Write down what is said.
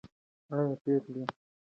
آیا پېغلې په جګړه کې شاملي وې؟